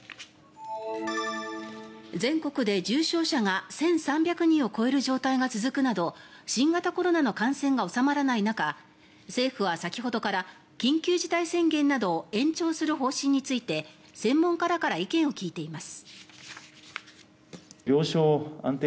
全国で重症者が１３００人を超える状態が続くなど新型コロナの感染が収まらない中政府は先ほどから緊急事態宣言など延長する方針について専門家らから意見を聞いています。